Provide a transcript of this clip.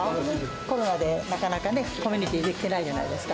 コロナでなかなかね、コミュニティー出来てないじゃないですか。